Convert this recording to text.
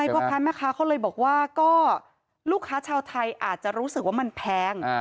พ่อค้าแม่ค้าเขาเลยบอกว่าก็ลูกค้าชาวไทยอาจจะรู้สึกว่ามันแพง